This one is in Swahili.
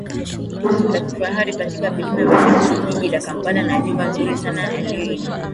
la kifahari katika vilima vya Sekuku jiji la Kampala na nyumba nzuri sana aliyoinunua